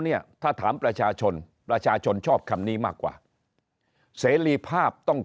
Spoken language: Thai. เนี่ยถ้าถามประชาชนประชาชนประชาชนชอบคำนี้มากกว่าเสรีภาพต้อง